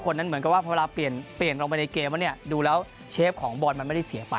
แล้วเชฟของบอลมันไม่ได้เสียไป